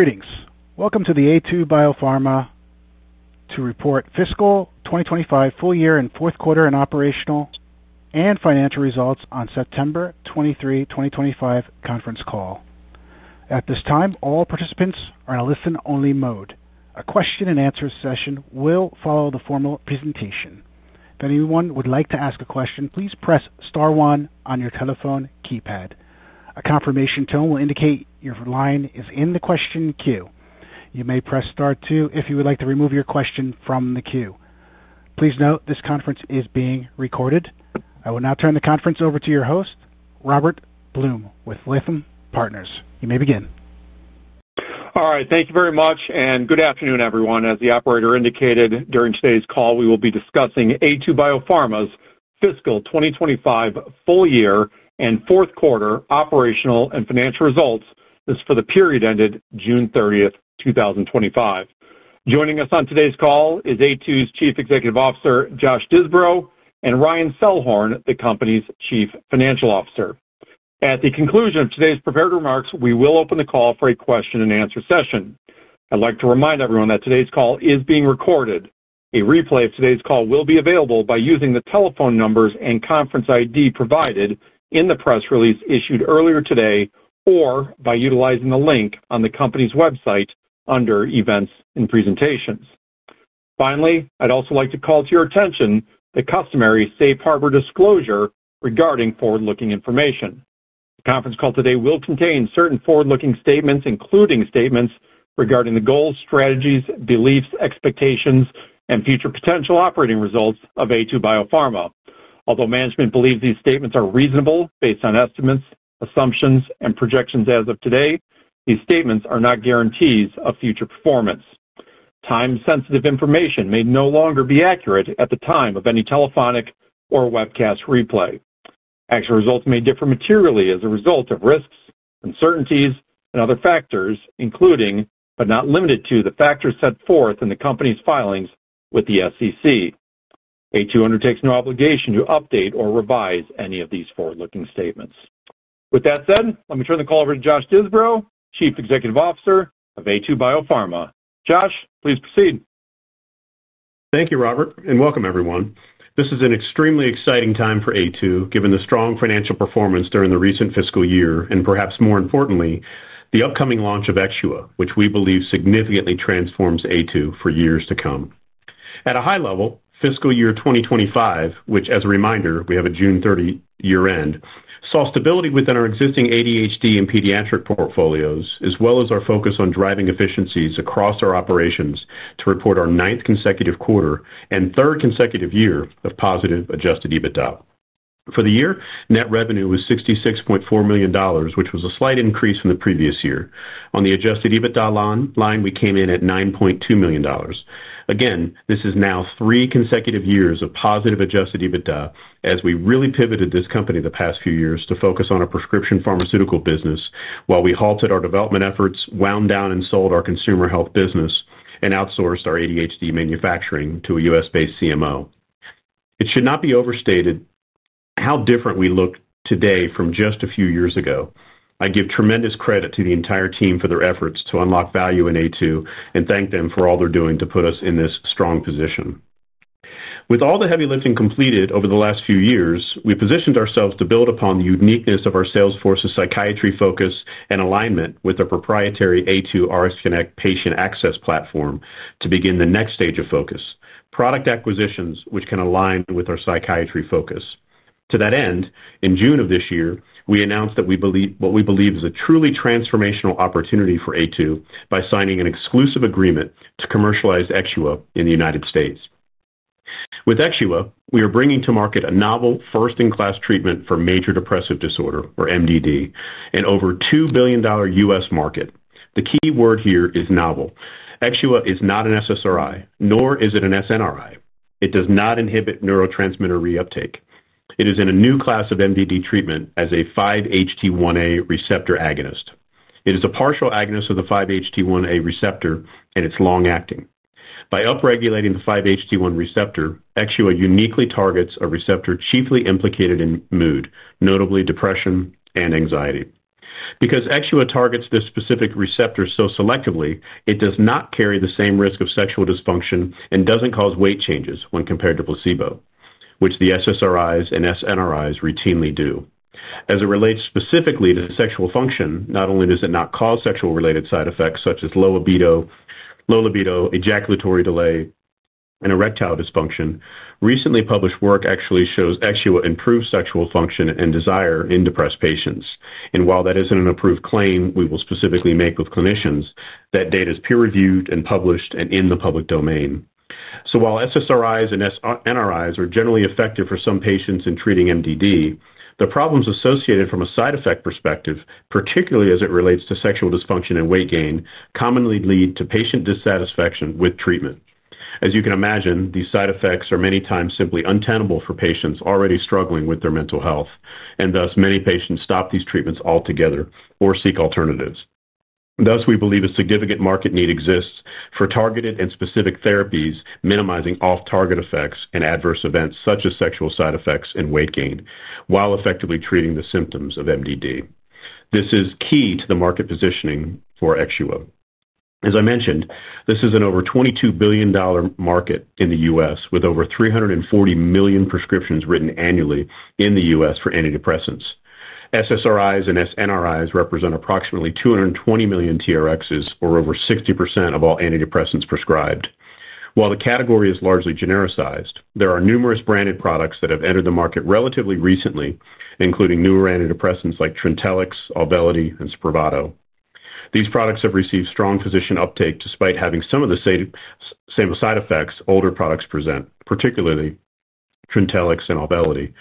Greetings. Welcome to the Aytu BioPharma to Report Fiscal 2025 Full Year and Fourth Quarter in Operational and Financial Results on September 23, 2025 Conference Call. At this time, all participants are in a listen-only mode. A question and answer session will follow the formal presentation. If anyone would like to ask a question, please press star one on your telephone keypad. A confirmation tone will indicate your line is in the question queue. You may press star two if you would like to remove your question from the queue. Please note this conference is being recorded. I will now turn the conference over to your host, Robert Blum with Lithium Partners. You may begin. All right. Thank you very much, and good afternoon, everyone. As the operator indicated during today's call, we will be discussing Aytu BioPharma's Fiscal 2025 Full Year and Fourth Quarter Operational and Financial Results. This is for the period ended June 30, 2025. Joining us on today's call is Aytu's Chief Executive Officer, Josh Disbrow, and Ryan Selhorn, the company's Chief Financial Officer. At the conclusion of today's prepared remarks, we will open the call for a question and answer session. I'd like to remind everyone that today's call is being recorded. A replay of today's call will be available by using the telephone numbers and conference ID provided in the press release issued earlier today or by utilizing the link on the company's website under Events and Presentations. Finally, I'd also like to call to your attention the customary safe harbor disclosure regarding forward-looking information. The conference call today will contain certain forward-looking statements, including statements regarding the goals, strategies, beliefs, expectations, and future potential operating results of Aytu BioPharma. Although management believes these statements are reasonable based on estimates, assumptions, and projections as of today, these statements are not guarantees of future performance. Time-sensitive information may no longer be accurate at the time of any telephonic or webcast replay. Actual results may differ materially as a result of risks, uncertainties, and other factors, including, but not limited to, the factors set forth in the company's filings with the SEC. Aytu undertakes no obligation to update or revise any of these forward-looking statements. With that said, let me turn the call over to Josh Disbrow, Chief Executive Officer of Aytu BioPharma. Josh, please proceed. Thank you, Robert, and welcome, everyone. This is an extremely exciting time for Aytu, given the strong financial performance during the recent fiscal year, and perhaps more importantly, the upcoming launch of Exua, which we believe significantly transforms Aytu for years to come. At a high level, fiscal year 2025, which, as a reminder, we have a June 30 year-end, saw stability within our existing ADHD and pediatric portfolios, as well as our focus on driving efficiencies across our operations to report our ninth consecutive quarter and third consecutive year of positive adjusted EBITDA. For the year, net revenue was $66.4 million, which was a slight increase from the previous year. On the adjusted EBITDA line, we came in at $9.2 million. Again, this is now three consecutive years of positive adjusted EBITDA as we really pivoted this company the past few years to focus on a prescription pharmaceutical business while we halted our development efforts, wound down, and sold our consumer health business and outsourced our ADHD manufacturing to a US-based CMO. It should not be overstated how different we look today from just a few years ago. I give tremendous credit to the entire team for their efforts to unlock value in Aytu, and thank them for all they're doing to put us in this strong position. With all the heavy lifting completed over the last few years, we positioned ourselves to build upon the uniqueness of our sales force's psychiatry focus and alignment with the proprietary Aytu RxConnect patient access platform to begin the next stage of focus: product acquisitions, which can align with our psychiatry focus. To that end, in June of this year, we announced what we believe is a truly transformational opportunity for Aytu by signing an exclusive agreement to commercialize Exua in the United States. With Exua, we are bringing to market a novel, first-in-class treatment for major depressive disorder, or MDD, in an over $2 billion US market. The key word here is novel. Exua is not an SSRI, nor is it an SNRI. It does not inhibit neurotransmitter reuptake. It is in a new class of MDD treatment as a 5-HT1A receptor partial agonist. It is a partial agonist of the 5-HT1A receptor, and it's long-acting. By upregulating the 5-HT1A receptor, Exua uniquely targets a receptor chiefly implicated in mood, notably depression and anxiety. Because Exua targets this specific receptor so selectively, it does not carry the same risk of sexual dysfunction and doesn't cause weight changes when compared to placebo, which the SSRIs and SNRIs routinely do. As it relates specifically to sexual function, not only does it not cause sexual-related side effects such as low libido, ejaculatory delay, and erectile dysfunction, recently published work actually shows Exua improves sexual function and desire in depressed patients. While that isn't an approved claim, we will specifically make with clinicians that data is peer-reviewed and published and in the public domain. While SSRIs and SNRIs are generally effective for some patients in treating MDD, the problems associated from a side effect perspective, particularly as it relates to sexual dysfunction and weight gain, commonly lead to patient dissatisfaction with treatment. As you can imagine, these side effects are many times simply untenable for patients already struggling with their mental health, and thus many patients stop these treatments altogether or seek alternatives. We believe a significant market need exists for targeted and specific therapies minimizing off-target effects and adverse events such as sexual side effects and weight gain while effectively treating the symptoms of MDD. This is key to the market positioning for Exua. As I mentioned, this is an over $22 billion market in the U.S. with over 340 million prescriptions written annually in the U.S. for antidepressants. SSRIs and SNRIs represent approximately 220 million TRXs, or over 60% of all antidepressants prescribed. While the category is largely genericized, there are numerous branded products that have entered the market relatively recently, including newer antidepressants like Trintellix, Auvelity, and Spravato. These products have received strong physician uptake despite having some of the same side effects older products present, particularly Trintellix and Auvelity.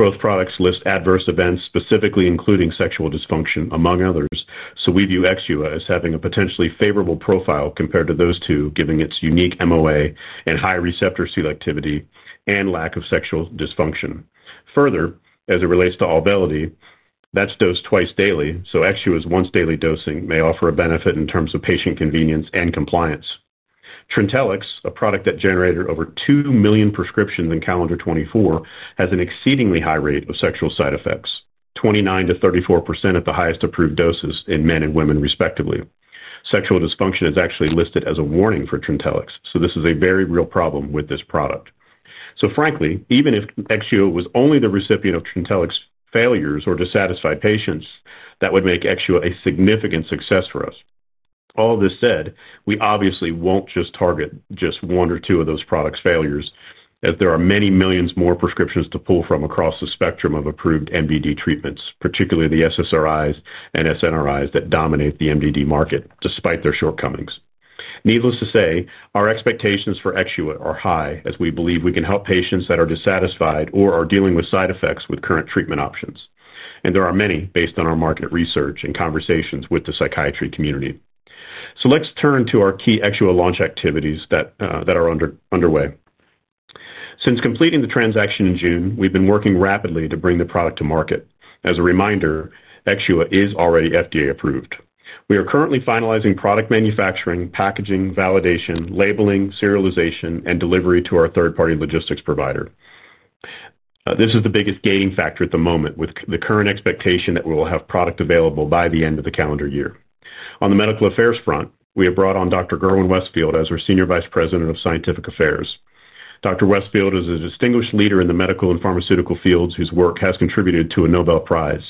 Both products list adverse events, specifically including sexual dysfunction, among others. We view Exua as having a potentially favorable profile compared to those two, given its unique MOA and high receptor selectivity and lack of sexual dysfunction. Further, as it relates to Auvelity, that's dosed twice daily, so Exua's once-daily dosing may offer a benefit in terms of patient convenience and compliance. Trintellix, a product that generated over 2 million prescriptions in calendar 2024, has an exceedingly high rate of sexual side effects, 29% to 34% at the highest approved doses in men and women, respectively. Sexual dysfunction is actually listed as a warning for Trintellix, so this is a very real problem with this product. Frankly, even if Exua was only the recipient of Trintellix failures or dissatisfied patients, that would make Exua a significant success for us. All of this said, we obviously won't just target just one or two of those products' failures, as there are many millions more prescriptions to pull from across the spectrum of approved major depressive disorder (MDD) treatments, particularly the SSRIs and SNRIs that dominate the MDD market despite their shortcomings. Needless to say, our expectations for Exua are high, as we believe we can help patients that are dissatisfied or are dealing with side effects with current treatment options. There are many based on our market research and conversations with the psychiatry community. Let's turn to our key Exua launch activities that are underway. Since completing the transaction in June, we've been working rapidly to bring the product to market. As a reminder, Exua is already FDA-approved. We are currently finalizing product manufacturing, packaging, validation, labeling, serialization, and delivery to our third-party logistics provider. This is the biggest gating factor at the moment, with the current expectation that we will have product available by the end of the calendar year. On the medical affairs front, we have brought on Dr. Gerwin Westfield as our Senior Vice President of Scientific Affairs. Dr. Westfield is a distinguished leader in the medical and pharmaceutical fields whose work has contributed to a Nobel Prize.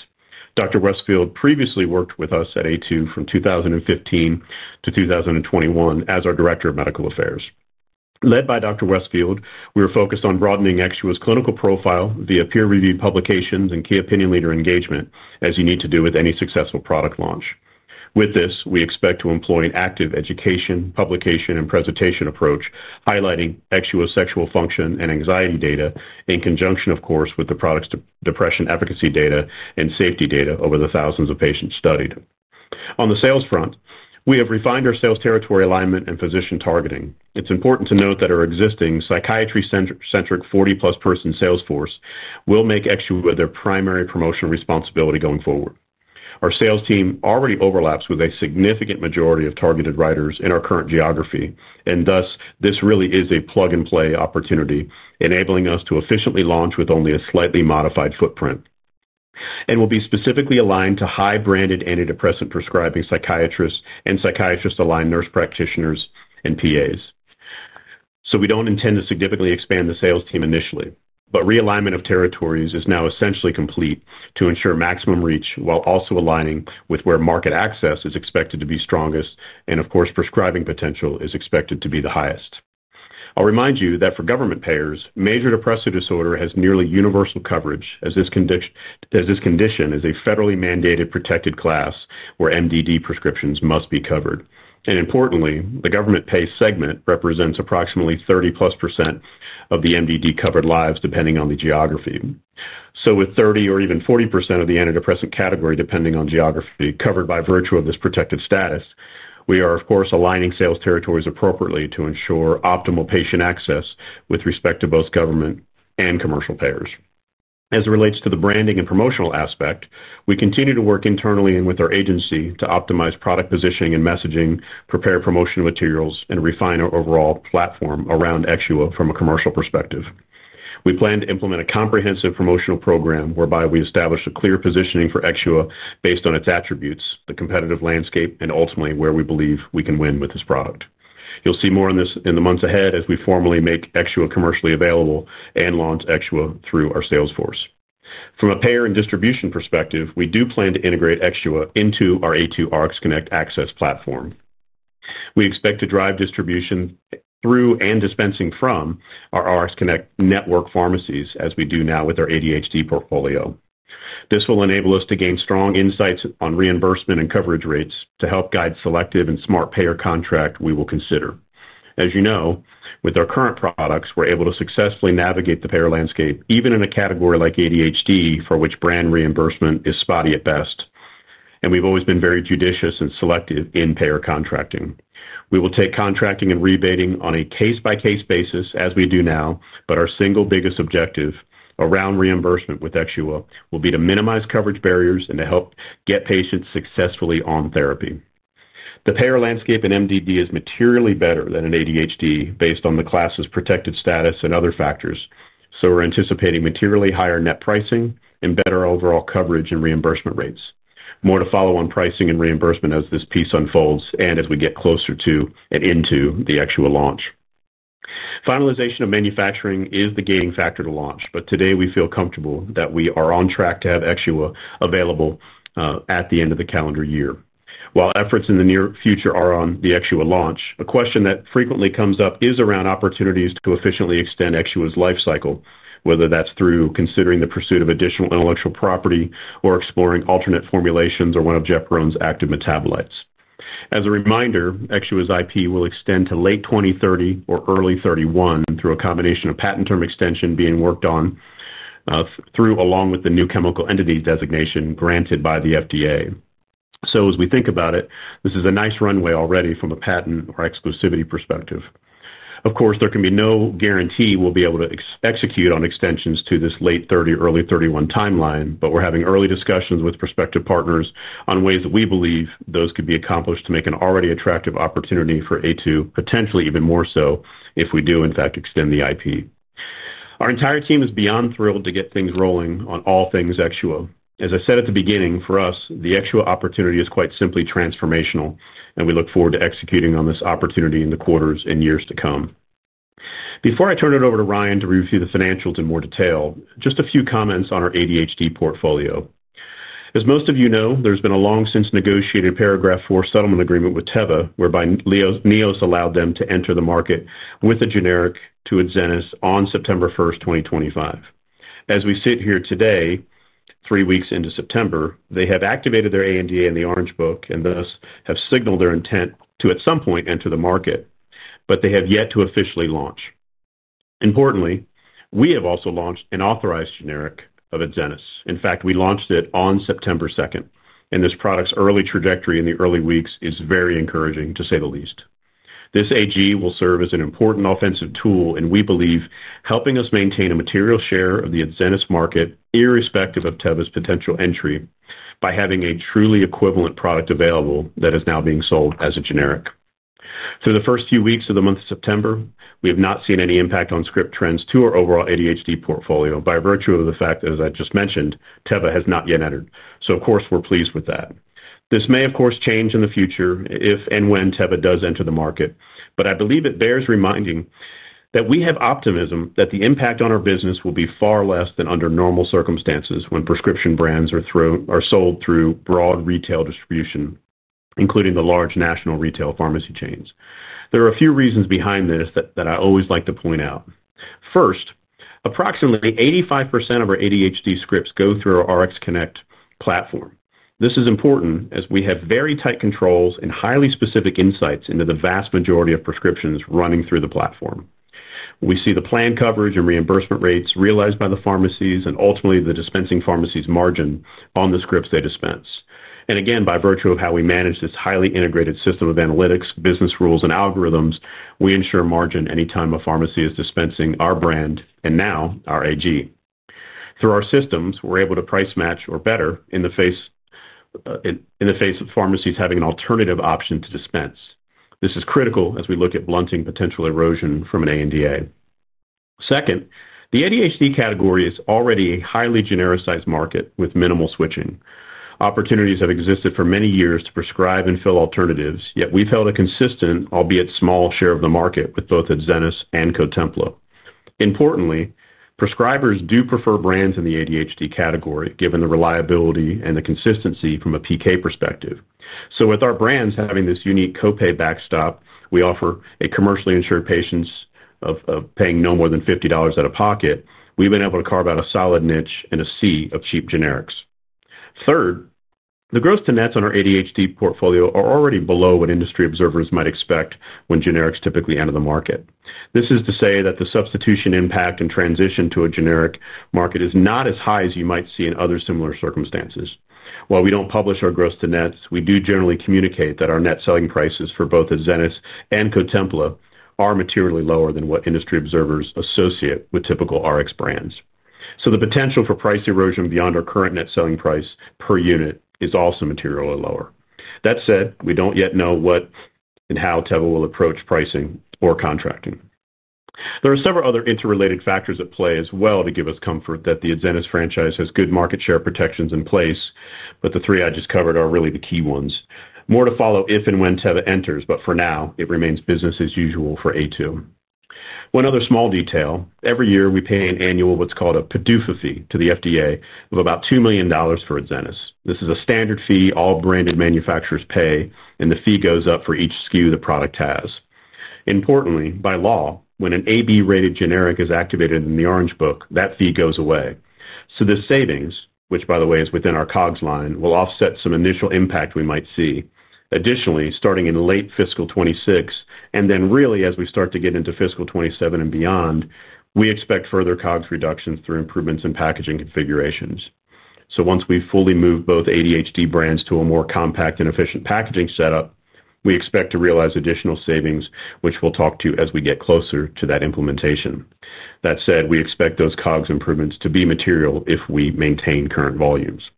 Dr. Westfield previously worked with us at Aytu from 2015 to 2021 as our Director of Medical Affairs. Led by Dr. Westfield, we are focused on broadening Exua's clinical profile via peer-reviewed publications and key opinion leader engagement, as you need to do with any successful product launch. With this, we expect to employ an active education, publication, and presentation approach, highlighting Exua sexual function and anxiety data in conjunction, of course, with the product's depression efficacy data and safety data over the thousands of patients studied. On the sales front, we have refined our sales territory alignment and physician targeting. It's important to note that our existing psychiatry-centric 40-plus person sales force will make Exua their primary promotional responsibility going forward. Our sales team already overlaps with a significant majority of targeted writers in our current geography, and this really is a plug-and-play opportunity, enabling us to efficiently launch with only a slightly modified footprint. We'll be specifically aligned to high-branded antidepressant prescribing psychiatrists and psychiatrist-aligned nurse practitioners and PAs. We don't intend to significantly expand the sales team initially, but realignment of territories is now essentially complete to ensure maximum reach while also aligning with where market access is expected to be strongest, and of course, prescribing potential is expected to be the highest. I'll remind you that for government payers, major depressive disorder has nearly universal coverage, as this condition is a federally mandated protected class where MDD prescriptions must be covered. Importantly, the government pay segment represents approximately 30%+ of the MDD covered lives, depending on the geography. With 30% or even 40% of the antidepressant category, depending on geography, covered by virtue of this protected status, we are, of course, aligning sales territories appropriately to ensure optimal patient access with respect to both government and commercial payers. As it relates to the branding and promotional aspect, we continue to work internally and with our agency to optimize product positioning and messaging, prepare promotional materials, and refine our overall platform around Exua from a commercial perspective. We plan to implement a comprehensive promotional program whereby we establish a clear positioning for Exua based on its attributes, the competitive landscape, and ultimately where we believe we can win with this product. You'll see more in the months ahead as we formally make Exua commercially available and launch Exua through our sales force. From a payer and distribution perspective, we do plan to integrate Exua into our Aytu RxConnect access platform. We expect to drive distribution through and dispensing from our RxConnect network pharmacies, as we do now with our ADHD portfolio. This will enable us to gain strong insights on reimbursement and coverage rates to help guide selective and smart payer contracts we will consider. As you know, with our current products, we're able to successfully navigate the payer landscape, even in a category like ADHD, for which brand reimbursement is spotty at best. We've always been very judicious and selective in payer contracting. We will take contracting and rebating on a case-by-case basis, as we do now, but our single biggest objective around reimbursement with Exua will be to minimize coverage barriers and to help get patients successfully on therapy. The payer landscape in major depressive disorder (MDD) is materially better than in ADHD based on the class's protected status and other factors, so we're anticipating materially higher net pricing and better overall coverage and reimbursement rates. More to follow on pricing and reimbursement as this piece unfolds and as we get closer to and into the Exua launch. Finalization of manufacturing is the gating factor to launch, but today we feel comfortable that we are on track to have Exua available at the end of the calendar year. While efforts in the near future are on the Exua launch, a question that frequently comes up is around opportunities to efficiently extend Exua's lifecycle, whether that's through considering the pursuit of additional intellectual property or exploring alternate formulations or one of Jeff Broehm's active metabolites. As a reminder, Exua's IP will extend to late 2030 or early 2031 through a combination of patent term extension being worked on along with the new chemical entities designation granted by the FDA. As we think about it, this is a nice runway already from a patent or exclusivity perspective. Of course, there can be no guarantee we'll be able to execute on extensions to this late 2030, early 2031 timeline, but we're having early discussions with prospective partners on ways that we believe those could be accomplished to make an already attractive opportunity for Aytu, potentially even more so if we do, in fact, extend the IP. Our entire team is beyond thrilled to get things rolling on all things Exua. As I said at the beginning, for us, the Exua opportunity is quite simply transformational, and we look forward to executing on this opportunity in the quarters and years to come. Before I turn it over to Ryan to review the financials in more detail, just a few comments on our ADHD portfolio. As most of you know, there's been a long-since negotiated paragraph IV settlement agreement with Teva, whereby Neos allowed them to enter the market with a generic to Adzenys on September 1st, 2025. As we sit here today, three weeks into September, they have activated their ANDA in the Orange Book and thus have signaled their intent to, at some point, enter the market, but they have yet to officially launch. Importantly, we have also launched an authorized generic of Adzenys. In fact, we launched it on September 2nd, and this product's early trajectory in the early weeks is very encouraging, to say the least. This AG will serve as an important offensive tool, and we believe helping us maintain a material share of the Adzenys market, irrespective of Teva's potential entry, by having a truly equivalent product available that is now being sold as a generic. Through the first few weeks of the month of September, we have not seen any impact on script trends to our overall ADHD portfolio by virtue of the fact, as I just mentioned, Teva has not yet entered. Of course, we're pleased with that. This may, of course, change in the future if and when Teva does enter the market, but I believe it bears reminding that we have optimism that the impact on our business will be far less than under normal circumstances when prescription brands are sold through broad retail distribution, including the large national retail pharmacy chains. There are a few reasons behind this that I always like to point out. First, approximately 85% of our ADHD scripts go through our A2Rx Connect platform. This is important as we have very tight controls and highly specific insights into the vast majority of prescriptions running through the platform. We see the planned coverage and reimbursement rates realized by the pharmacies and ultimately the dispensing pharmacies' margin on the scripts they dispense. By virtue of how we manage this highly integrated system of analytics, business rules, and algorithms, we ensure margin anytime a pharmacy is dispensing our brand and now our AG. Through our systems, we're able to price match or better in the face of pharmacies having an alternative option to dispense. This is critical as we look at blunting potential erosion from an ANDA. Second, the ADHD category is already a highly genericized market with minimal switching. Opportunities have existed for many years to prescribe and fill alternatives, yet we've held a consistent, albeit small, share of the market with both Adzenys and Cotempla. Importantly, prescribers do prefer brands in the ADHD category, given the reliability and the consistency from a PK perspective. With our brands having this unique copay backstop, we offer a commercially insured patient paying no more than $50 out of pocket. We've been able to carve out a solid niche in a sea of cheap generics. Third, the gross to nets on our ADHD portfolio are already below what industry observers might expect when generics typically enter the market. This is to say that the substitution impact and transition to a generic market is not as high as you might see in other similar circumstances. While we don't publish our gross to nets, we do generally communicate that our net selling prices for both Adzenys and Cotempla are materially lower than what industry observers associate with typical RX brands. The potential for price erosion beyond our current net selling price per unit is also materially lower. That said, we don't yet know what and how Teva will approach pricing or contracting. There are several other interrelated factors at play as well to give us comfort that the Adzenys franchise has good market share protections in place, but the three I just covered are really the key ones. More to follow if and when Teva enters, but for now, it remains business as usual for Aytu. One other small detail, every year we pay an annual, what's called a PDUFA fee to the FDA of about $2 million for Adzenys. This is a standard fee all branded manufacturers pay, and the fee goes up for each SKU the product has. Importantly, by law, when an AB-rated generic is activated in the Orange Book, that fee goes away. This savings, which by the way is within our COGS line, will offset some initial impact we might see. Additionally, starting in late fiscal 2026, and then really as we start to get into fiscal 2027 and beyond, we expect further COGS reductions through improvements in packaging configurations. Once we've fully moved both ADHD brands to a more compact and efficient packaging setup, we expect to realize additional savings, which we'll talk to as we get closer to that implementation. We expect those COGS improvements to be material if we maintain current volumes.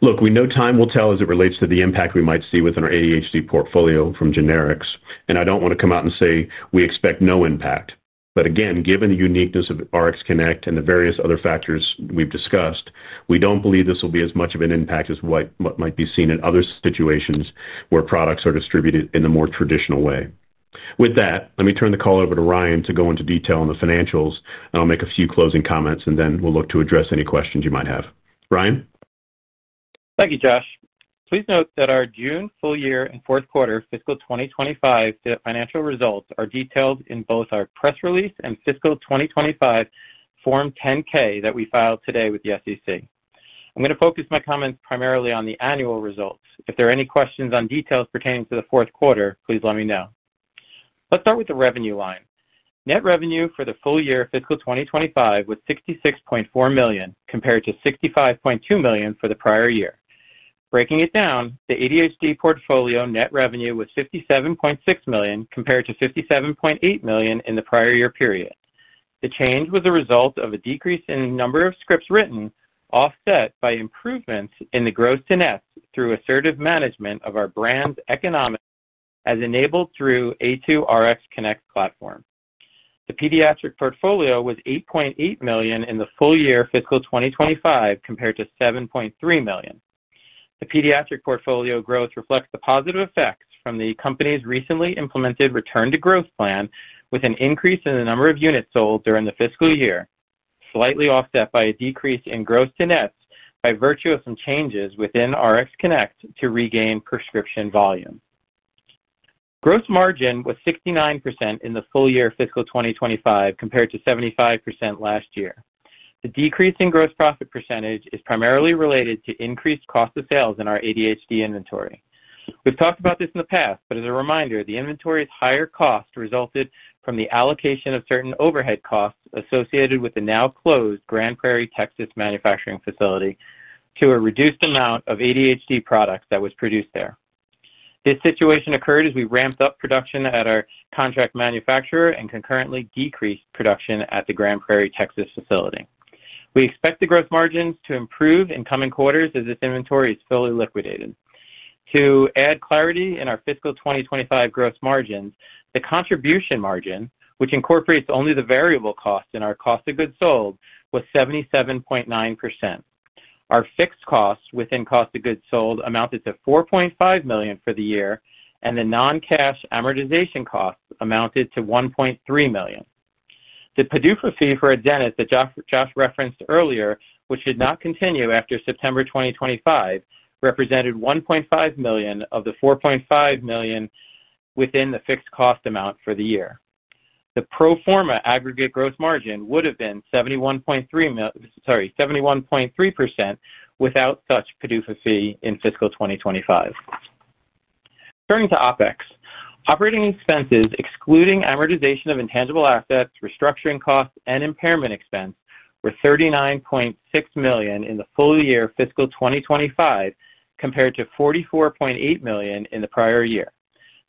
Look, we know time will tell as it relates to the impact we might see within our ADHD portfolio from generics, and I don't want to come out and say we expect no impact. Again, given the uniqueness of RxConnect and the various other factors we've discussed, we don't believe this will be as much of an impact as what might be seen in other situations where products are distributed in a more traditional way. With that, let me turn the call over to Ryan to go into detail on the financials. I'll make a few closing comments, and then we'll look to address any questions you might have. Ryan. Thank you, Josh. Please note that our June full year and fourth quarter fiscal 2025 financial results are detailed in both our press release and fiscal 2025 Form 10-K that we filed today with the SEC. I'm going to focus my comments primarily on the annual results. If there are any questions on details pertaining to the fourth quarter, please let me know. Let's start with the revenue line. Net revenue for the full year fiscal 2025 was $66.4 million compared to $65.2 million for the prior year. Breaking it down, the ADHD portfolio net revenue was $57.6 million compared to $57.8 million in the prior year period. The change was a result of a decrease in the number of scripts written, offset by improvements in the gross to net through assertive management of our brand's economics as enabled through Aytu RxConnect platform. The pediatric portfolio was $8.8 million in the full year fiscal 2025 compared to $7.3 million. The pediatric portfolio growth reflects the positive effects from the company's recently implemented return-to-growth plan, with an increase in the number of units sold during the fiscal year, slightly offset by a decrease in gross to net by virtue of some changes within RxConnect to regain prescription volume. Gross margin was 69% in the full year fiscal 2025 compared to 75% last year. The decrease in gross profit percentage is primarily related to increased cost of sales in our ADHD inventory. We've talked about this in the past, but as a reminder, the inventory's higher cost resulted from the allocation of certain overhead costs associated with the now closed Grand Prairie, Texas manufacturing facility to a reduced amount of ADHD products that was produced there. This situation occurred as we ramped up production at our contract manufacturer and concurrently decreased production at the Grand Prairie, Texas facility. We expect the gross margins to improve in coming quarters as this inventory is fully liquidated. To add clarity in our fiscal 2025 gross margins, the contribution margin, which incorporates only the variable cost in our cost of goods sold, was 77.9%. Our fixed costs within cost of goods sold amounted to $4.5 million for the year, and the non-cash amortization costs amounted to $1.3 million. The PDUFA fee for Adzenys that Josh referenced earlier, which did not continue after September 2025, represented $1.5 million of the $4.5 million within the fixed cost amount for the year. The pro forma aggregate gross margin would have been 71.3% without such PDUFA fee in fiscal 2025. Turning to OpEx, operating expenses excluding amortization of intangible assets, restructuring costs, and impairment expense were $39.6 million in the full year fiscal 2025 compared to $44.8 million in the prior year.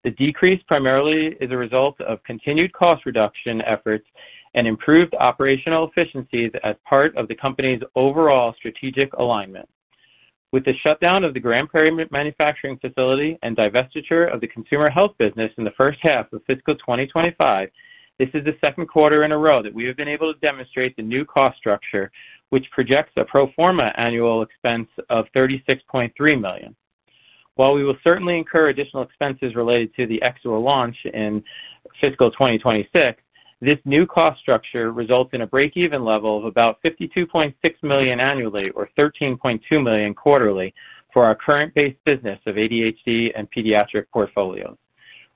The decrease primarily is a result of continued cost reduction efforts and improved operational efficiencies as part of the company's overall strategic alignment. With the shutdown of the Grand Prairie manufacturing facility and divestiture of the consumer health business in the first half of fiscal 2025, this is the second quarter in a row that we have been able to demonstrate the new cost structure, which projects a pro forma annual expense of $36.3 million. While we will certainly incur additional expenses related to the Exua launch in fiscal 2026, this new cost structure results in a break-even level of about $52.6 million annually or $13.2 million quarterly for our current base business of ADHD and pediatric portfolio.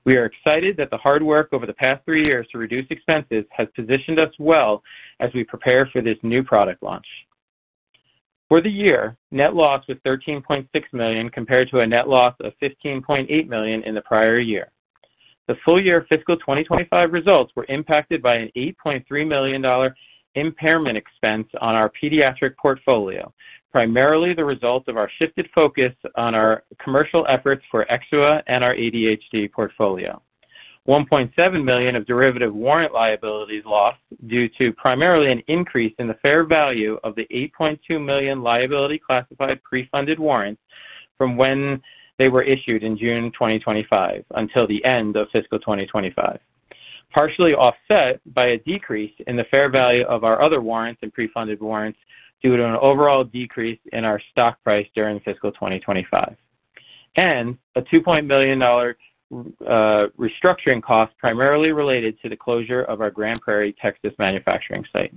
We are excited that the hard work over the past three years to reduce expenses has positioned us well as we prepare for this new product launch. For the year, net loss was $13.6 million compared to a net loss of $15.8 million in the prior year. The full year fiscal 2025 results were impacted by an $8.3 million impairment expense on our pediatric portfolio, primarily the result of our shifted focus on our commercial efforts for Exua and our ADHD portfolio. $1.7 million of derivative warrant liabilities lost due to primarily an increase in the fair value of the $8.2 million liability classified pre-funded warrants from when they were issued in June 2025 until the end of fiscal 2025, partially offset by a decrease in the fair value of our other warrants and pre-funded warrants due to an overall decrease in our stock price during fiscal 2025, and a $2.0 million restructuring cost primarily related to the closure of our Grand Prairie, Texas manufacturing site.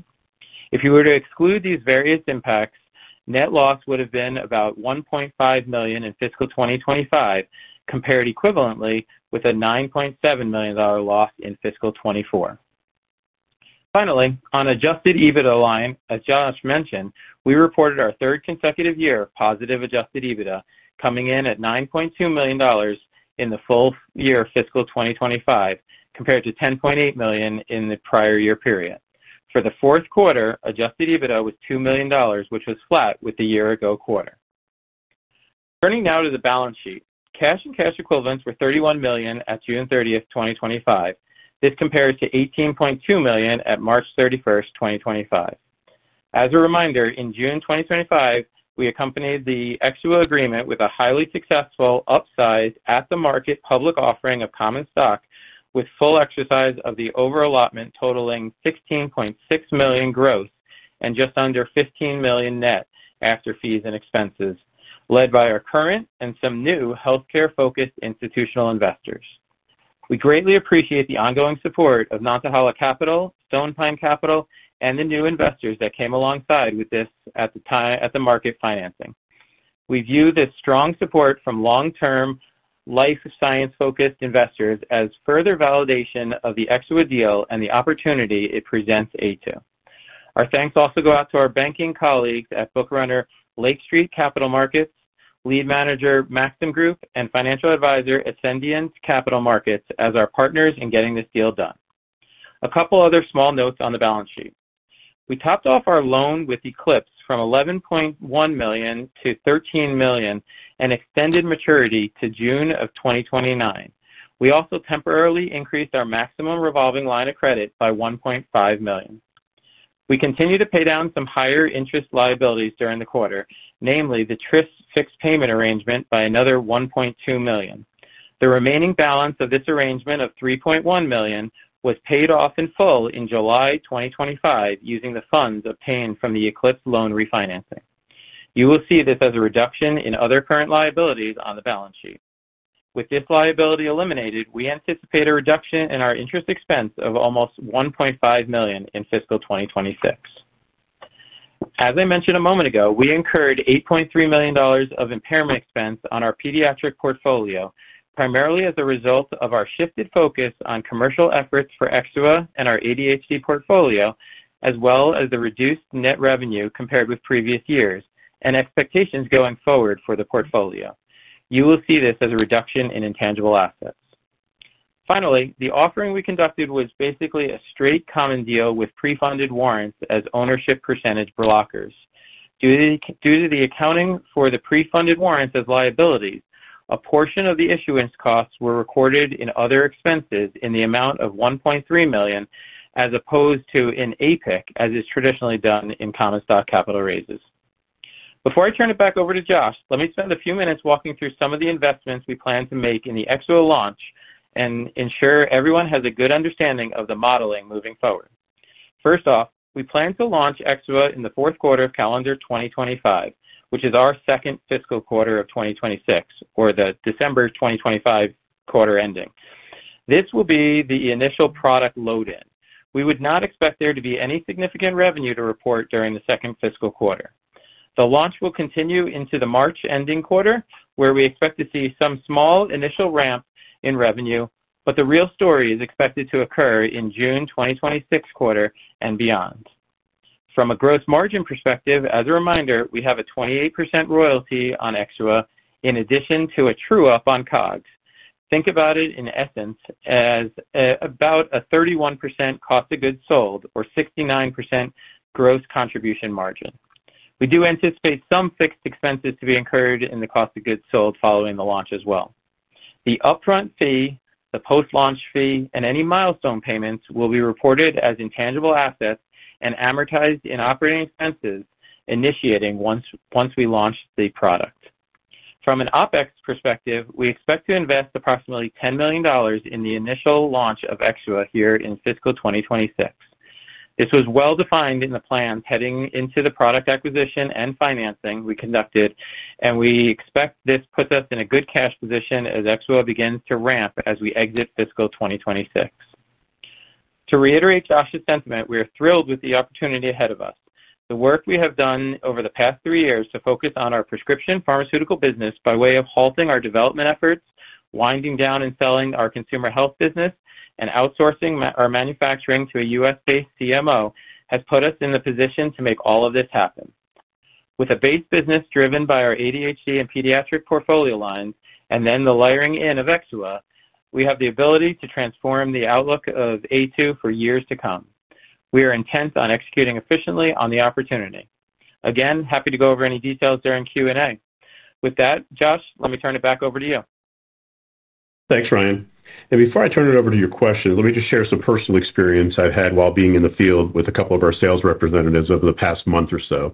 If you were to exclude these various impacts, net loss would have been about $1.5 million in fiscal 2025 compared equivalently with a $9.7 million loss in fiscal 2024. Finally, on adjusted EBITDA line, as Josh mentioned, we reported our third consecutive year positive adjusted EBITDA coming in at $9.2 million in the full year fiscal 2025 compared to $10.8 million in the prior year period. For the fourth quarter, adjusted EBITDA was $2 million, which was flat with the year ago quarter. Turning now to the balance sheet, cash and cash equivalents were $31 million at June 30th, 2025. This compared to $18.2 million at March 31st, 2025. As a reminder, in June 2025, we accompanied the Exua agreement with a highly successful upsize at the market public offering of common stock with full exercise of the overallotment totaling $16.6 million gross and just under $15 million net after fees and expenses, led by our current and some new healthcare-focused institutional investors. We greatly appreciate the ongoing support of Nantahala Capital, Stonepine Capital, and the new investors that came alongside with this at the market financing. We view this strong support from long-term life science-focused investors as further validation of the Exua deal and the opportunity it presents Aytu. Our thanks also go out to our banking colleagues at Bookrunner Lake Street Capital Markets, lead manager Maxim Group, and financial advisor Ascendiant Capital Markets as our partners in getting this deal done. A couple other small notes on the balance sheet. We topped off our loan with Eclipse from $11.1 million-$13 million and extended maturity to June of 2029. We also temporarily increased our maximum revolving line of credit by $1.5 million. We continue to pay down some higher interest liabilities during the quarter, namely the TRIF fixed payment arrangement by another $1.2 million. The remaining balance of this arrangement of $3.1 million was paid off in full in July 2025 using the funds obtained from the Eclipse loan refinancing. You will see this as a reduction in other current liabilities on the balance sheet. With this liability eliminated, we anticipate a reduction in our interest expense of almost $1.5 million in fiscal 2026. As I mentioned a moment ago, we incurred $8.3 million of impairment expense on our pediatric portfolio, primarily as a result of our shifted focus on commercial efforts for Exua and our ADHD portfolio, as well as the reduced net revenue compared with previous years and expectations going forward for the portfolio. You will see this as a reduction in intangible assets. Finally, the offering we conducted was basically a straight common deal with pre-funded warrants as ownership percentage blockers. Due to the accounting for the pre-funded warrants as liabilities, a portion of the issuance costs were recorded in other expenses in the amount of $1.3 million as opposed to in APIC, as is traditionally done in common stock capital raises. Before I turn it back over to Josh, let me spend a few minutes walking through some of the investments we plan to make in the Exua launch and ensure everyone has a good understanding of the modeling moving forward. First off, we plan to launch Exua in the fourth quarter of calendar 2025, which is our second fiscal quarter of 2026, or the December 2025 quarter ending. This will be the initial product load-in. We would not expect there to be any significant revenue to report during the second fiscal quarter. The launch will continue into the March ending quarter, where we expect to see some small initial ramp in revenue, but the real story is expected to occur in June 2026 quarter and beyond. From a gross margin perspective, as a reminder, we have a 28% royalty on Exua in addition to a true up on COGS. Think about it in essence as about a 31% cost of goods sold or 69% gross contribution margin. We do anticipate some fixed expenses to be incurred in the cost of goods sold following the launch as well. The upfront fee, the post-launch fee, and any milestone payments will be reported as intangible assets and amortized in operating expenses initiating once we launch the product. From an OpEx perspective, we expect to invest approximately $10 million in the initial launch of Exua here in fiscal 2026. This was well defined in the plans heading into the product acquisition and financing we conducted, and we expect this puts us in a good cash position as Exua begins to ramp as we exit fiscal 2026. To reiterate Josh's sentiment, we are thrilled with the opportunity ahead of us. The work we have done over the past three years to focus on our prescription pharmaceutical business by way of halting our development efforts, winding down and selling our consumer health business, and outsourcing our manufacturing to a US-based CMO has put us in the position to make all of this happen. With a base business driven by our ADHD and pediatric portfolio lines and then the layering in of Exua, we have the ability to transform the outlook of Aytu for years to come. We are intent on executing efficiently on the opportunity. Again, happy to go over any details during Q&A. With that, Josh, let me turn it back over to you. Thanks, Ryan. Before I turn it over to your question, let me just share some personal experience I've had while being in the field with a couple of our sales representatives over the past month or so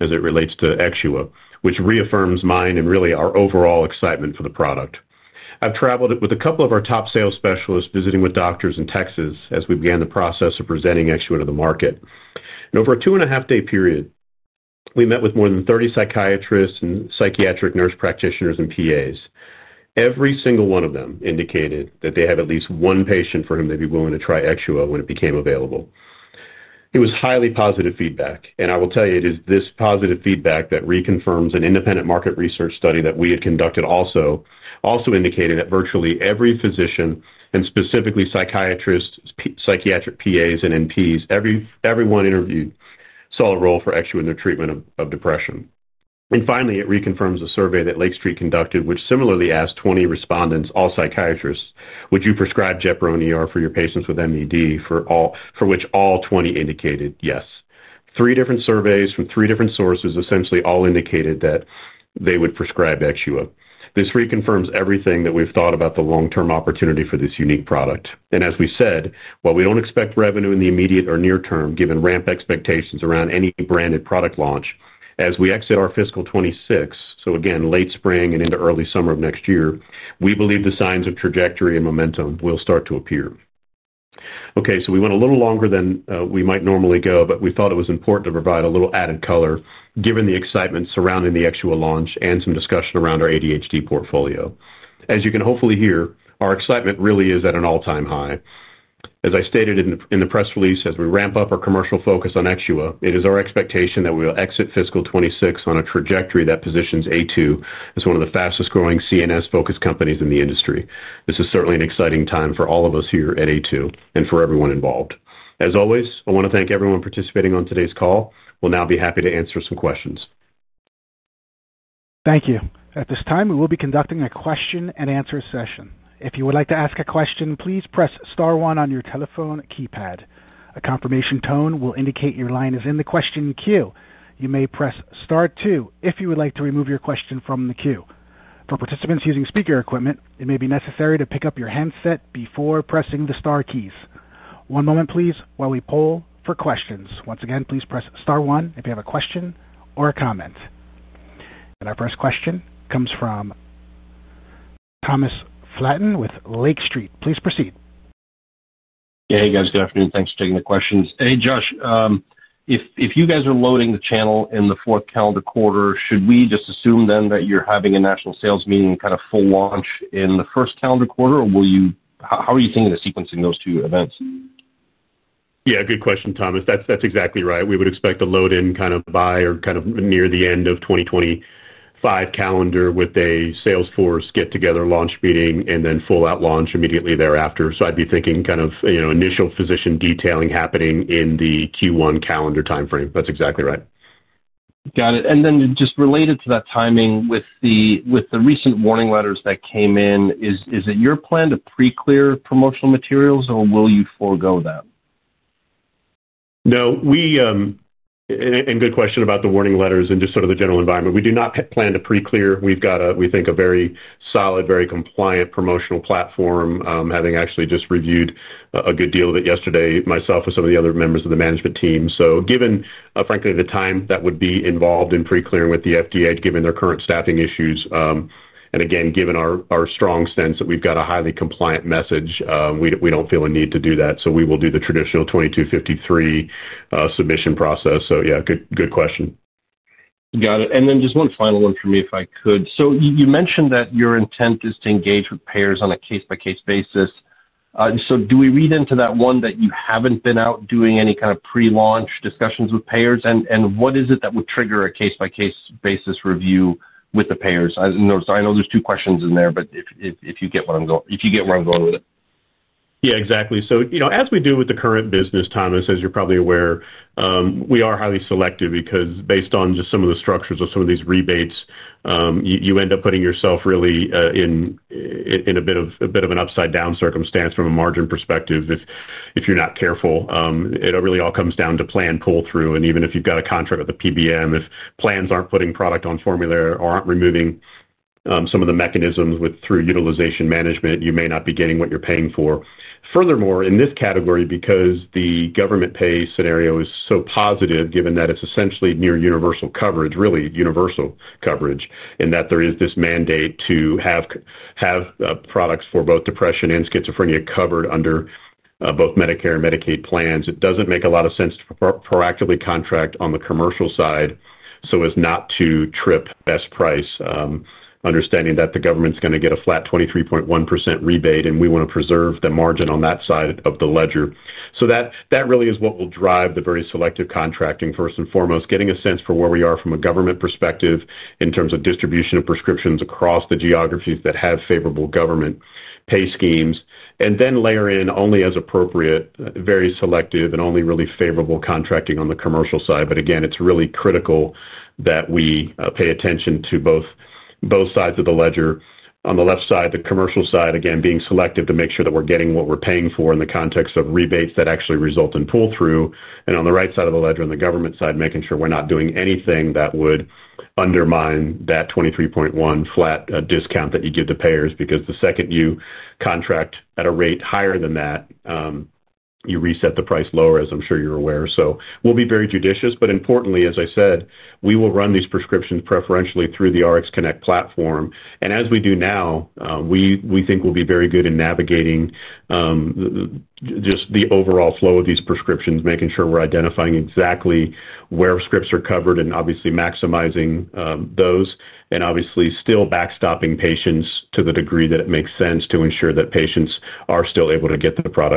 as it relates to Exua, which reaffirms mine and really our overall excitement for the product. I've traveled with a couple of our top sales specialists visiting with doctors in Texas as we began the process of presenting Exua to the market. In over a two-and-a-half-day period, we met with more than 30 psychiatrists and psychiatric nurse practitioners and PAs. Every single one of them indicated that they have at least one patient for whom they'd be willing to try Exua when it became available. It was highly positive feedback, and I will tell you, it is this positive feedback that reconfirms an independent market research study that we had conducted also indicating that virtually every physician and specifically psychiatrists, psychiatric PAs, and NPs, everyone interviewed saw a role for Exua in their treatment of depression. It also reconfirms a survey that Lake Street conducted, which similarly asked 20 respondents, all psychiatrists, would you prescribe Exua for your patients with MDD, for which all 20 indicated yes. Three different surveys from three different sources essentially all indicated that they would prescribe Exua. This reconfirms everything that we've thought about the long-term opportunity for this unique product. As we said, while we don't expect revenue in the immediate or near term, given ramp expectations around any branded product launch, as we exit our fiscal 2026, so again, late spring and into early summer of next year, we believe the signs of trajectory and momentum will start to appear. We went a little longer than we might normally go, but we thought it was important to provide a little added color given the excitement surrounding the Exua launch and some discussion around our ADHD portfolio. As you can hopefully hear, our excitement really is at an all-time high. As I stated in the press release, as we ramp up our commercial focus on Exua, it is our expectation that we will exit fiscal 2026 on a trajectory that positions Aytu as one of the fastest growing CNS-focused companies in the industry. This is certainly an exciting time for all of us here at Aytu and for everyone involved. As always, I want to thank everyone participating on today's call. We'll now be happy to answer some questions. Thank you. At this time, we will be conducting a question and answer session. If you would like to ask a question, please press star one on your telephone keypad. A confirmation tone will indicate your line is in the question queue. You may press star two if you would like to remove your question from the queue. For participants using speaker equipment, it may be necessary to pick up your headset before pressing the star keys. One moment, please, while we poll for questions. Once again, please press star one if you have a question or a comment. Our first question comes from Thomas Flaten with Lake Street. Please proceed. Yeah, hey guys, good afternoon. Thanks for taking the questions. Hey Josh, if you guys are loading the channel in the fourth calendar quarter, should we just assume then that you're having a national sales meeting and kind of full launch in the first calendar quarter, or will you, how are you thinking of sequencing those two events? Yeah, good question, Thomas. That's exactly right. We would expect to load in by or near the end of 2025 calendar with a sales force get-together launch meeting, and then full-out launch immediately thereafter. I'd be thinking, you know, initial physician detailing happening in the Q1 calendar timeframe. That's exactly right. Got it. Just related to that timing with the recent warning letters that came in, is it your plan to pre-clear promotional materials or will you forego that? No, good question about the warning letters and just sort of the general environment. We do not plan to pre-clear. We have a, we think, a very solid, very compliant promotional platform, having actually just reviewed a good deal of it yesterday myself with some of the other members of the management team. Given, frankly, the time that would be involved in pre-clearing with the FDA, given their current staffing issues, and again, given our strong sense that we've got a highly compliant message, we don't feel a need to do that. We will do the traditional 2253 submission process. Yeah, good question. Got it. Just one final one for me if I could. You mentioned that your intent is to engage with payers on a case-by-case basis. Do we read into that one that you haven't been out doing any kind of pre-launch discussions with payers? What is it that would trigger a case-by-case basis review with the payers? I know there's two questions in there, but if you get where I'm going with it. Yeah, exactly. As we do with the current business, Thomas, as you're probably aware, we are highly selective because based on just some of the structures of some of these rebates, you end up putting yourself really in a bit of an upside-down circumstance from a margin perspective. If you're not careful, it really all comes down to plan pull-through. Even if you've got a contract with the PBM, if plans aren't putting product on formulary or aren't removing some of the mechanisms through utilization management, you may not be getting what you're paying for. Furthermore, in this category, because the government pay scenario is so positive, given that it's essentially near universal coverage, really universal coverage, in that there is this mandate to have products for both depression and schizophrenia covered under both Medicare and Medicaid plans, it doesn't make a lot of sense to proactively contract on the commercial side so as not to trip best price, understanding that the government's going to get a flat 23.1% rebate and we want to preserve the margin on that side of the ledger. That really is what will drive the very selective contracting first and foremost, getting a sense for where we are from a government perspective in terms of distribution of prescriptions across the geographies that have favorable government pay schemes, and then layer in only as appropriate, very selective, and only really favorable contracting on the commercial side. Again, it's really critical that we pay attention to both sides of the ledger. On the left side, the commercial side, again, being selective to make sure that we're getting what we're paying for in the context of rebates that actually result in pull-through. On the right side of the ledger, on the government side, making sure we're not doing anything that would undermine that 23.1% flat discount that you give the payers because the second you contract at a rate higher than that, you reset the price lower, as I'm sure you're aware. We'll be very judicious, but importantly, as I said, we will run these prescriptions preferentially through the RxConnect platform. As we do now, we think we'll be very good in navigating just the overall flow of these prescriptions, making sure we're identifying exactly where scripts are covered and obviously maximizing those, and obviously still backstopping patients to the degree that it makes sense to ensure that patients are still able to get the product.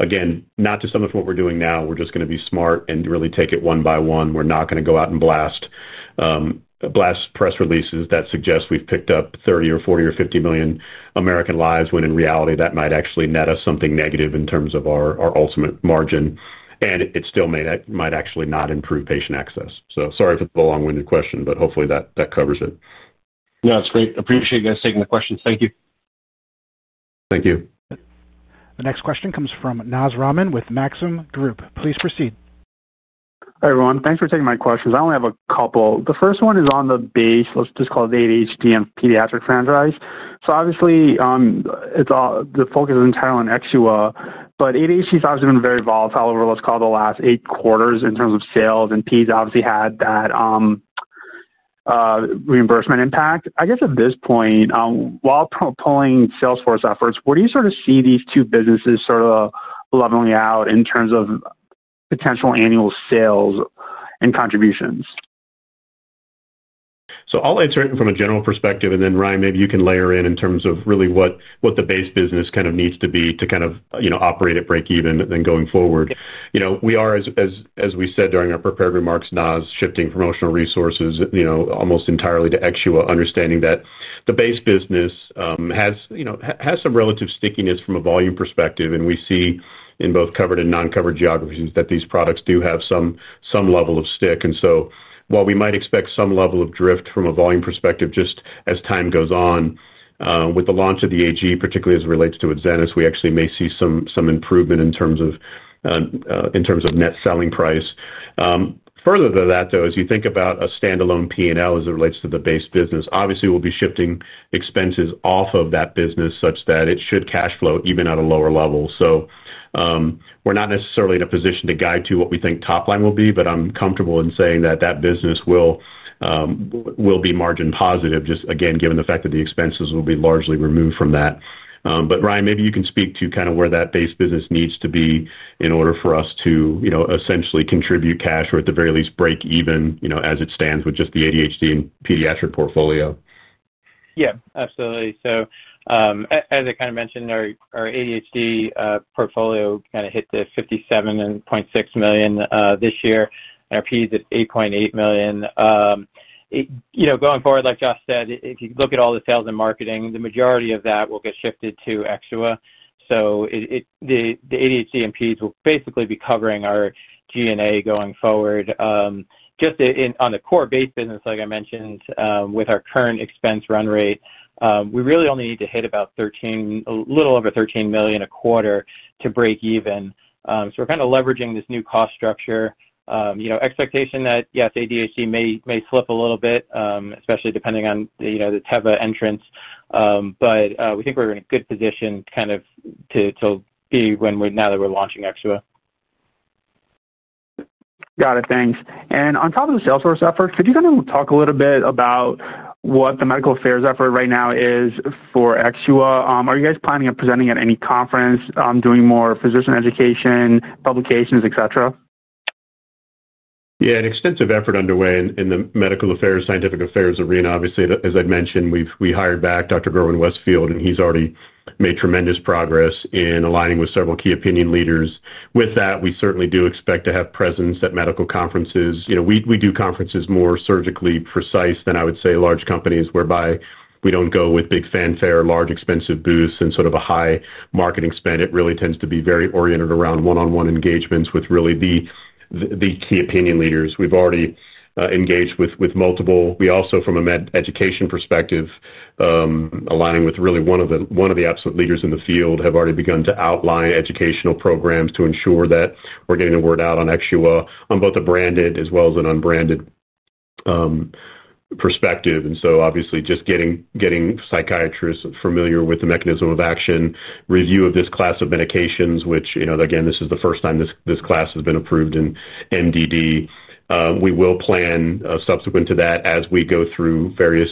Again, not too much what we're doing now, we're just going to be smart and really take it one by one. We're not going to go out and blast press releases that suggest we've picked up 30 or 40 or 50 million American lives, when in reality that might actually net us something negative in terms of our ultimate margin, and it still might actually not improve patient access. Sorry for the long-winded question, but hopefully that covers it. No, that's great. I appreciate you guys taking the questions. Thank you. Thank you. Our next question comes from Naz Rahman with Maxim Group. Please proceed. Hi everyone, thanks for taking my questions. I only have a couple. The first one is on the base, let's just call it the ADHD and pediatric franchise. Obviously, the focus is entirely on Exua, but ADHD has obviously been very volatile over, let's call it, the last eight quarters in terms of sales, and PEDS obviously had that reimbursement impact. I guess at this point, while pulling salesforce efforts, where do you sort of see these two businesses sort of leveling out in terms of potential annual sales and contributions? I'll answer it from a general perspective, and then Ryan, maybe you can layer in in terms of really what the base business kind of needs to be to operate at break-even and then going forward. As we said during our prepared remarks, Naz, we are shifting promotional resources almost entirely to Exua, understanding that the base business has some relative stickiness from a volume perspective, and we see in both covered and non-covered geographies that these products do have some level of stick. While we might expect some level of drift from a volume perspective just as time goes on with the launch of the authorized generic, particularly as it relates to Adzenys, we actually may see some improvement in terms of net selling price. Further to that, as you think about a standalone P&L as it relates to the base business, obviously we'll be shifting expenses off of that business such that it should cash flow even at a lower level. We're not necessarily in a position to guide to what we think top line will be, but I'm comfortable in saying that that business will be margin positive, just again, given the fact that the expenses will be largely removed from that. Ryan, maybe you can speak to kind of where that base business needs to be in order for us to essentially contribute cash or at the very least break even as it stands with just the ADHD and pediatric portfolio. Yeah, absolutely. As I kind of mentioned, our ADHD portfolio kind of hit $57.6 million this year, and our pediatric portfolio at $8.8 million. Going forward, like Josh said, if you look at all the sales and marketing, the majority of that will get shifted to Exua. The ADHD and pediatric portfolio will basically be covering our G&A going forward. Just on the core base business, like I mentioned, with our current expense run rate, we really only need to hit about $13 million, a little over $13 million a quarter to break even. We're kind of leveraging this new cost structure. Expectation that, yes, ADHD may slip a little bit, especially depending on the Teva entrance, but we think we're in a good position kind of to be when we're now that we're launching Exua. Got it, thanks. On top of the Salesforce effort, could you kind of talk a little bit about what the medical affairs effort right now is for Exua? Are you guys planning on presenting at any conference, doing more physician education, publications, et cetera? Yeah, an extensive effort underway in the Medical Affairs, Scientific Affairs arena. Obviously, as I mentioned, we hired back Dr. Gerwin Westfield, and he's already made tremendous progress in aligning with several key opinion leaders. With that, we certainly do expect to have presence at medical conferences. We do conferences more surgically precise than I would say large companies, whereby we don't go with big fanfare or large expensive booths and sort of a high marketing spend. It really tends to be very oriented around one-on-one engagements with really the key opinion leaders. We've already engaged with multiple. We also, from a med education perspective, aligning with really one of the absolute leaders in the field, have already begun to outline educational programs to ensure that we're getting the word out on Exua on both a branded as well as an unbranded perspective. Obviously, just getting psychiatrists familiar with the mechanism of action, review of this class of medications, which again, this is the first time this class has been approved in major depressive disorder (MDD). We will plan subsequent to that as we go through various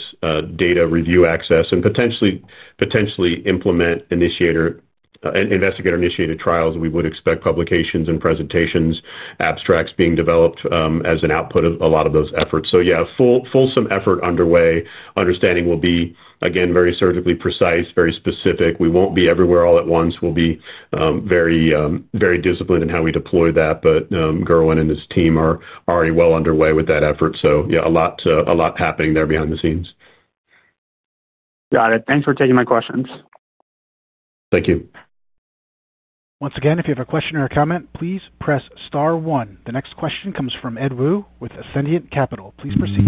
data review access and potentially implement investigator-initiated trials. We would expect publications and presentations, abstracts being developed as an output of a lot of those efforts. Yeah, a full, full some effort underway. Understanding we'll be, again, very surgically precise, very specific. We won't be everywhere all at once. We'll be very, very disciplined in how we deploy that, but Gerwin and his team are already well underway with that effort. Yeah, a lot happening there behind the scenes. Got it. Thanks for taking my questions. Thank you. Once again, if you have a question or a comment, please press star one. The next question comes from Ed Woo with Ascendiant Capital. Please proceed.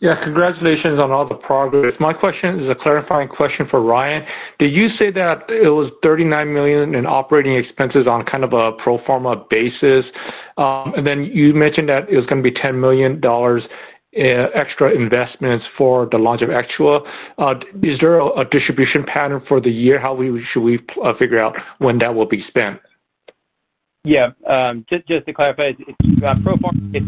Yeah, congratulations on all the progress. My question is a clarifying question for Ryan. Did you say that it was $39 million in operating expenses on kind of a pro forma basis? You mentioned that it was going to be $10 million in extra investments for the launch of Exua. Is there a distribution pattern for the year? How should we figure out when that will be spent? Yeah, just to clarify, if you draw a pro forma, it's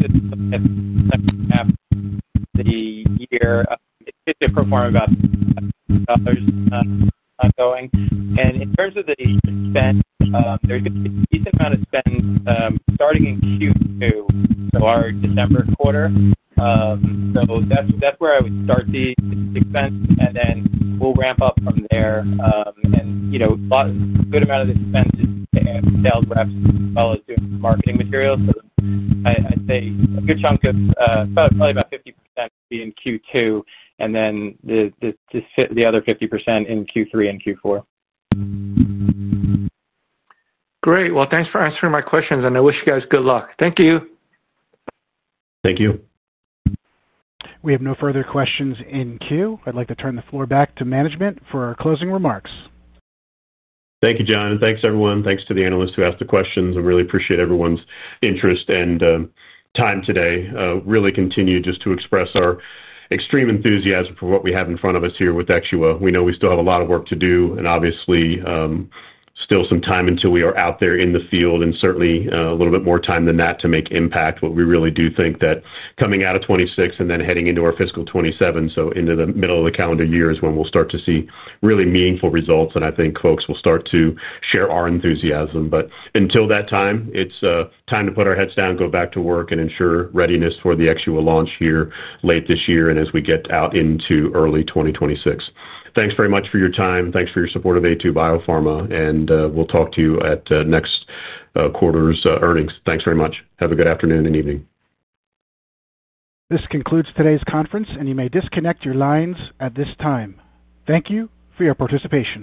a year of the pro forma about $1,000 a month ongoing. In terms of the expense, there's a decent amount of spend starting in Q2, so our December quarter. That's where I would start the expense, and then we'll ramp up from there. You know, a good amount of the expense is sales reps as well as doing marketing materials. I'd say a good chunk of probably about 50% would be in Q2, and then the other 50% in Q3 and Q4. Great. Thank you for answering my questions. I wish you guys good luck. Thank you. Thank you. We have no further questions in queue. I'd like to turn the floor back to management for our closing remarks. Thank you, John, and thanks everyone. Thanks to the analysts who asked the questions. I really appreciate everyone's interest and time today. Really continue just to express our extreme enthusiasm for what we have in front of us here with Exua. We know we still have a lot of work to do and obviously still some time until we are out there in the field and certainly a little bit more time than that to make impact. We really do think that coming out of 2026 and then heading into our fiscal 2027, so into the middle of the calendar year, is when we'll start to see really meaningful results. I think folks will start to share our enthusiasm. Until that time, it's time to put our heads down, go back to work, and ensure readiness for the Exua launch here late this year and as we get out into early 2026. Thanks very much for your time. Thanks for your support of Aytu BioPharma, and we'll talk to you at next quarter's earnings. Thanks very much. Have a good afternoon and evening. This concludes today's conference, and you may disconnect your lines at this time. Thank you for your participation.